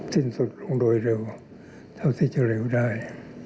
สิ้นสุดลงโดยเร็วเท่าที่จะเร็วได้